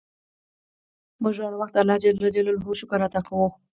موږ هر وخت د اللهﷻ شکر ادا کوو.